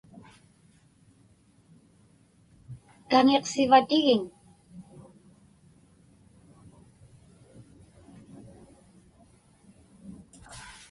Kaŋiqsivatigiŋ?